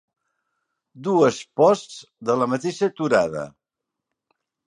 Dues posts de la mateixa torada.